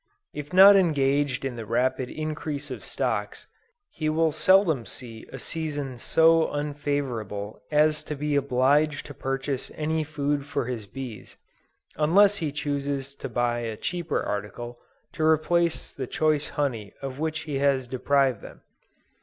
If not engaged in the rapid increase of stocks, he will seldom see a season so unfavorable as to be obliged to purchase any food for his bees, unless he chooses to buy a cheaper article, to replace the choice honey of which he has deprived them.